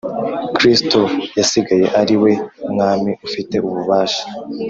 Kristo yasigaye ari we Mwami ufite ububasha